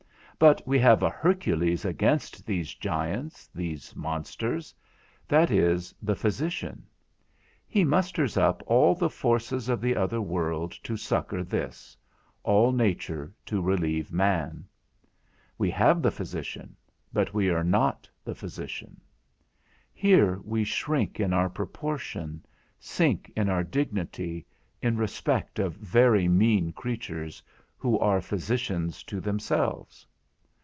But we have a Hercules against these giants, these monsters; that is, the physician; he musters up all the forces of the other world to succour this, all nature to relieve man. We have the physician, but we are not the physician. Here we shrink in our proportion, sink in our dignity, in respect of very mean creatures, who are physicians to themselves.